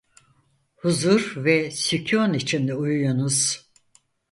Huzur ve sükun içinde uyuyunuz.